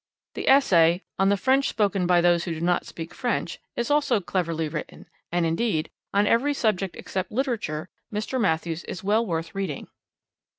The essay On the French Spoken by Those who do not Speak French is also cleverly written and, indeed, on every subject, except literature, Mr. Matthews is well worth reading.